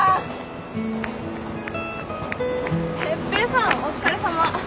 哲平さんお疲れさま。